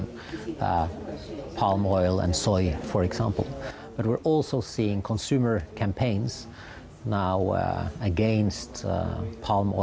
seperti minyak palma dan soya tapi kita juga melihat kampanye konsumen sekarang menentang produk minyak palma